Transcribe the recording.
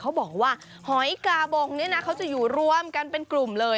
เขาบอกว่าหอยกาบงเนี่ยนะเขาจะอยู่รวมกันเป็นกลุ่มเลย